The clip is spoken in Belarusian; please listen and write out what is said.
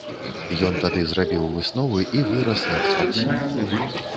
Ён тады зрабіў высновы і вырас як спартсмен.